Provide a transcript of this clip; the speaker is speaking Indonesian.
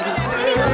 dini mau main jantung